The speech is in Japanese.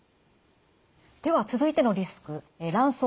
では続いてのリスク卵巣